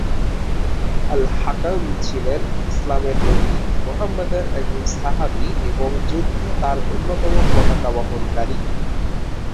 আল-হাকাম ছিলেন ইসলামের নবী মুহাম্মদের একজন সাহাবি এবং যুদ্ধে তার অন্যতম পতাকা বহনকারী।